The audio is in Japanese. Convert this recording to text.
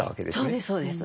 そうですそうです。